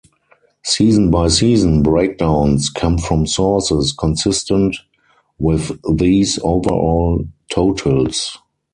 Season-by-season breakdowns come from sources consistent with these overall totals.